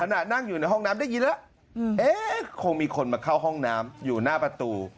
นั่งอยู่ในห้องน้ำได้ยินแล้วเอ๊ะคงมีคนมาเข้าห้องน้ำอยู่หน้าประตู